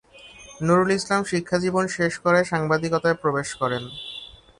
নূরুল ইসলাম শিক্ষাজীবন শেষ করে সাংবাদিকতায় প্রবেশ করেন।